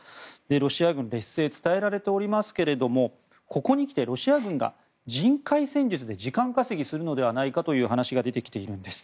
ロシア軍劣勢が伝えられておりますがここに来てロシア軍が人海戦術で時間稼ぎするのではないかという話が出てきているんです。